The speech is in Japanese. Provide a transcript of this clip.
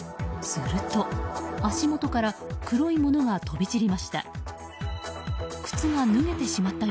すると、足元から黒いものが飛び散りました。